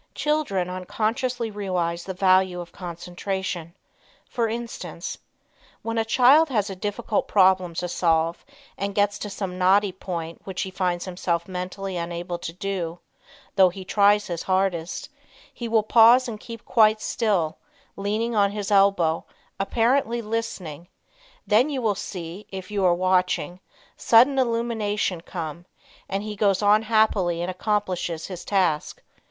Children unconsciously realize the value of concentration for instance: When a Child has a difficult problem to solve, and gets to some knotty point which he finds himself mentally unable to do though he tries his hardest he will pause and keep quite still, leaning on his elbow, apparently listening; then you will see, if you are watching, sudden illumination come and he goes on happily and accomplishes his task.